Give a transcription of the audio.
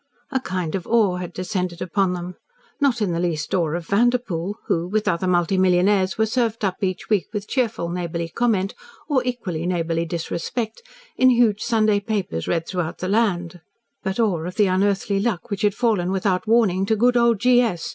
A kind of awe had descended upon them not in the least awe of Vanderpoel, who, with other multi millionaires, were served up each week with cheerful neighbourly comment or equally neighbourly disrespect, in huge Sunday papers read throughout the land but awe of the unearthly luck which had fallen without warning to good old G. S.